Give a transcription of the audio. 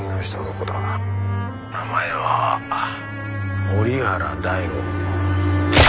名前は折原大吾。